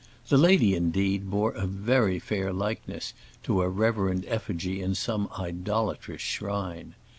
The lady, indeed, bore a very fair likeness to a reverend effigy in some idolatrous shrine.